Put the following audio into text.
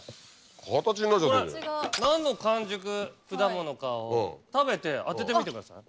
これ何の完熟果物かを食べて当ててみてください。